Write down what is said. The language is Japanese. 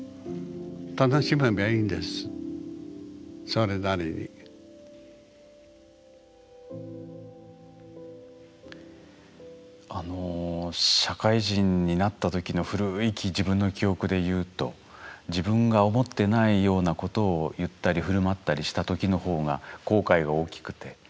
そのあの社会人になった時の古い自分の記憶でいうと自分が思ってないようなことを言ったり振る舞ったりした時の方が後悔が大きくて。